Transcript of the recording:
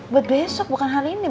buat besok bukan hal ini